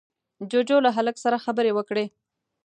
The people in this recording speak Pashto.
جُوجُو له هلک سره خبرې وکړې.